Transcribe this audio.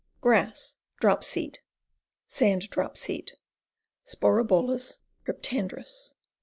Grass, Drop seed. Sand Drop seed. Sporobolus cryp tandrus.